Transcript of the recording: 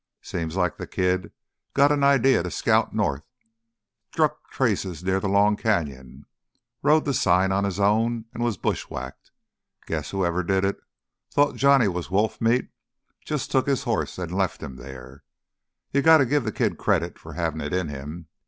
Seems like th' kid got an idear to scout north, struck trace near th' Long Canyon, rode th' sign on his own an' was bushwacked. Guess whoever did it thought Johnny was wolf meat, jus' took his hoss an' left him there. You gotta give th' kid credit for havin' it in him.